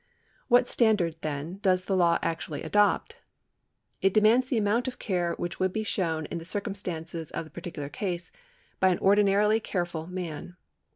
What standard, then, does the law actually adopt ? It demands the amount of care which would be shown in the circumstances of the particular case by an ordinarily careful man.